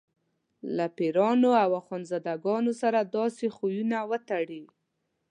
له پیرانو او اخندزاده ګانو سره داسې خویونه وتړي.